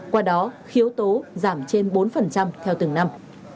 qua đó yếu tố giảm trên bốn theo từng năm